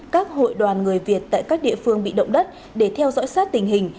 các hội đoàn người việt tại các địa phương bị động đất để theo dõi sát tình hình